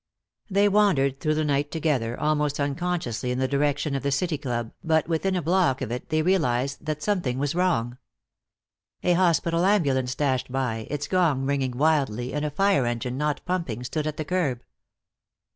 They wandered through the night together, almost unconsciously in the direction of the City Club, but within a block of it they realized that something was wrong. A hospital ambulance dashed by, its gong ringing wildly, and a fire engine, not pumping, stood at the curb.